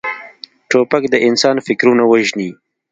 توپک د انسان فکرونه وژني.